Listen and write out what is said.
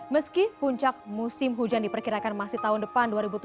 meski puncak musim hujan diperkirakan masih tahun depan dua ribu tujuh belas